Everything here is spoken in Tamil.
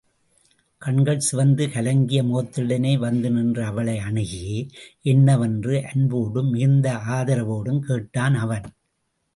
கண்கள் சிவந்து கலங்கிய முகத்துடனே வந்து நின்ற அவளை அணுகி, என்னவென்று அன்போடும் மிகுந்த ஆதரவோடும் கேட்டான் அவன்.